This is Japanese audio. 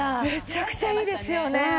めちゃくちゃいいですよね。